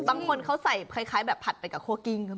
บางคนเขาใส่คล้ายแบบผัดไปกับคั่วกิ้ง